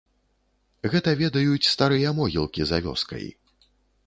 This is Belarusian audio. Гэта ведаюць старыя могілкі за вёскай.